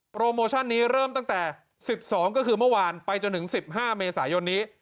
โปรโมชั่นนี้เริ่มตั้งแต่๑๒ก็คือเมื่อวานไปจนถึง๑๕เมษายนนี้